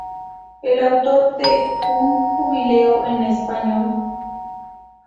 Es autor de "Un jubileo en español.